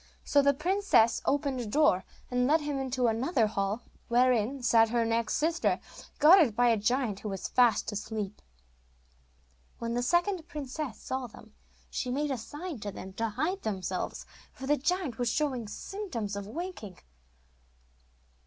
So the princess opened a door, and led him into another hall, wherein sat her next sister, guarded by a giant who was fast asleep. When the second princess saw them, she made a sign to them to hide themselves, for the giant was showing symptoms of waking.